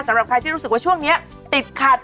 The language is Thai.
สำหรับใครที่รู้สึกว่าช่วงนี้ติดขัด